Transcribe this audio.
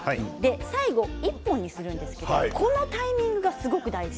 最後１本にするんですけれどもこのタイミングがすごく大事。